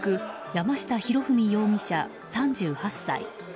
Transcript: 山下裕史容疑者、３８歳。